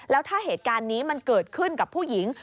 แล้วถ้าเหตุการณ์นี้มันเกิดขึ้นกับผู้หญิง